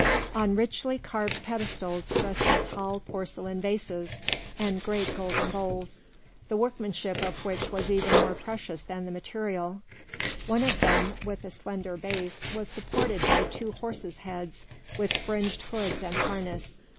On richly carved pedestals rested tall porcelain vases and great golden bowls, the workmanship of which was even more precious than the material. One of them with a slender base, was supported by two horses' heads with fringed hoods and harness.